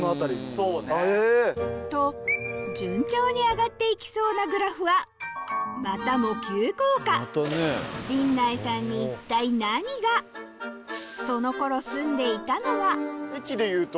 そうね。と順調に上がって行きそうなグラフはまたも急降下陣内さんにその頃駅でいうと。